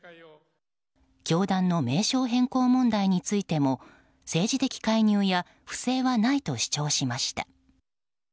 教団の名称変更問題についても政治的介入や不正はないと主張しました。